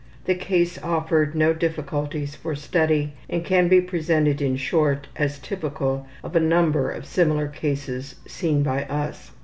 The case offered no difficulties for study and can be presented in short as typical of a number of similar cases seen by us.